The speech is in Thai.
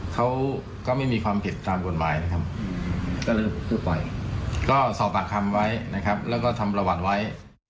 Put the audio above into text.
เขาก็ไม่มีความผิดตามกฎหมายก็สอบปากคำไว้แล้วก็ทำประวัติไว้